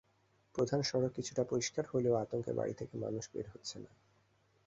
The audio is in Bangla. প্রধান সড়ক কিছুটা পরিষ্কার হলেও আতঙ্কে বাড়ি থেকে মানুষ বের হচ্ছে না।